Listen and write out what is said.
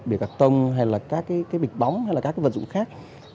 bìa cạc tông hay là các cái bịch bóng hay là các cái vật dụng khác